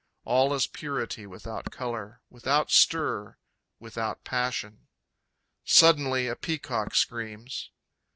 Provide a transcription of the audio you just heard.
All is purity, without color, without stir, without passion. Suddenly a peacock screams.